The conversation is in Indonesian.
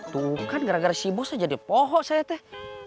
tuh kan gara gara si bos aja dia pohok saya tuh